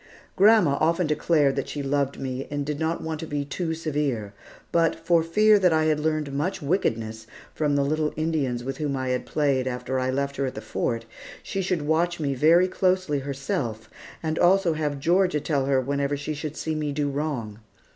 Grandma often declared that she loved me, and did not want to be too severe; but, for fear that I had learned much wickedness from the little Indians with whom I had played after I left her at the Fort, she should watch me very closely herself, and also have Georgia tell her whenever she should see me do wrong.